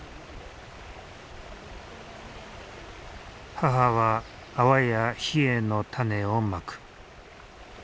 母はアワやヒエの種をまく。